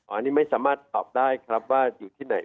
อันนี้ไม่สามารถตอบได้ครับว่าอยู่ที่ไหน